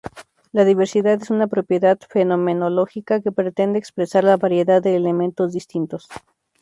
La diversidad es una propiedad fenomenológica que pretende expresar la variedad de elementos distintos.